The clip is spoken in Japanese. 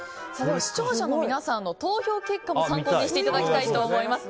視聴者の皆さんの投票結果を参考にしていただきたいと思います。